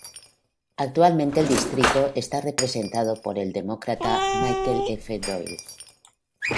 Actualmente el distrito está representado por el Demócrata Michael F. Doyle.